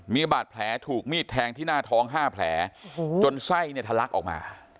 มีบาดแผลถูกมีดแทงที่หน้าท้อง๕แผลจนไส้เนี่ยทะลักออกมา